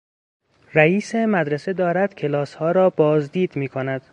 رییس مدرسه دارد کلاسها را بازدید میکند.